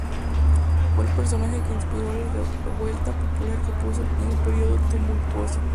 Fue el personaje que inspiró la revuelta popular que puso fin al Período Tumultuoso.